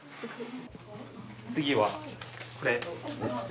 次はこれですね。